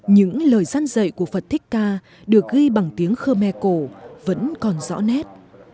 những lời gian dạy của phật thích ca được ghi bằng tiếng khơ me cổ vẫn còn rõ nét